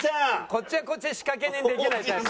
こっちはこっちで仕掛け人できないタイプ。